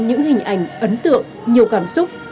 những hình ảnh ấn tượng nhiều cảm xúc